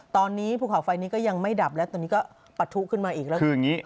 ตอนนี้ภูเขาไฟนี้ก็ยังไม่ดับแล้วตอนนี้ก็ปะทุขึ้นมาอีกแล้วคืออย่างนี้